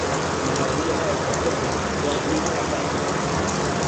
M'agradaria anar al carrer del Pintor Mir a peu.